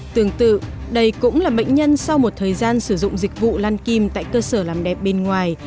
tương tự đây cũng là bệnh nhân sau một thời gian sử dụng dịch vụ lan kim tại cơ sở làm đẹp bên ngoài